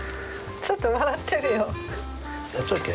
ちょっと笑ってるよ。